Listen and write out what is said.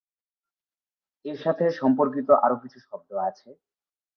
এর সাথে সম্পর্কিত আরও কিছু শব্দ আছে।